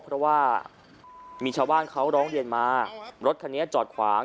เพราะว่ามีชาวบ้านเขาร้องเรียนมารถคันนี้จอดขวาง